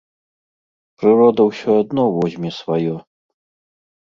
Прырода ўсё адно возьме сваё.